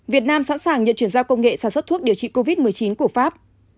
việt nam sẵn sàng nhận chuyển giao công nghệ sản xuất thuốc điều trị covid một mươi chín của pháp